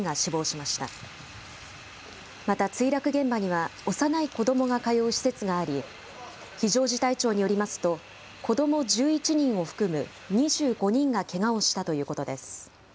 また墜落現場には、幼い子どもが通う施設があり、非常事態庁によりますと、子ども１１人を含む２５人がけがをしたということです。